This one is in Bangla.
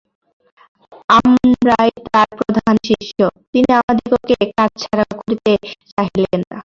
আমরাই তাঁর প্রদান শিষ্য, তিনি আমাদিগকে কাছছাড়া করিতে চাহিলেন না।